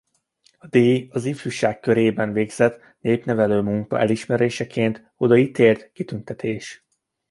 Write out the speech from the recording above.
A díj az ifjúság körében végzett népnevelői munka elismeréseként odaítélt kitüntetés.